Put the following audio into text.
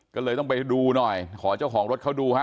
ก็เลยต้องไปดูหน่อยขอเจ้าของรถเขาดูฮะ